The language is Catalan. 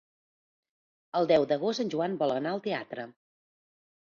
El deu d'agost en Joan vol anar al teatre.